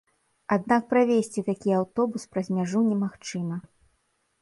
Аднак правезці такі аўтобус праз мяжу немагчыма.